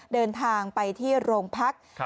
เดินทางไปที่โรงพัก